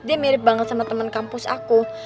dia mirip banget sama teman kampus aku